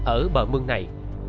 ở bờ mương này